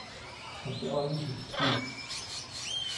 ادعای دوستی